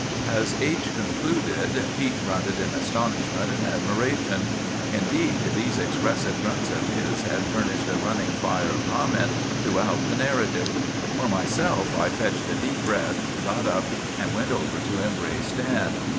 "As H—— concluded, Pete grunted in astonishment and admiration. Indeed, these expressive grunts of his had furnished a running fire of comment throughout the narrative. For myself, I fetched a deep breath, got up, and went over to embrace Dan.